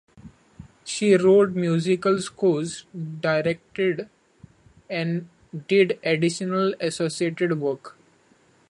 She wrote musical scores, directed, and did additional associated work.